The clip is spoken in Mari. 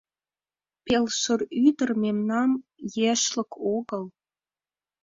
Пелшыр ӱдыр мемнан ешлык огыл.